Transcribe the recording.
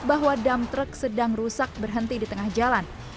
bahwa dam truk sedang rusak berhenti di tengah jalan